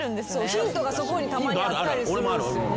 ヒントがそこにたまにあったりする。